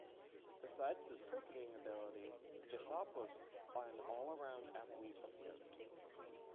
Besides his cricketing ability, Jessop was an allround athlete of note.